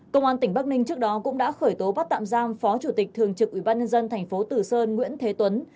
công an tỉnh bắc ninh trước đó cũng đã khởi tố bắt tạm giam phó chủ tịch thường trực ubnd tp tử sơn nguyễn thế tuấn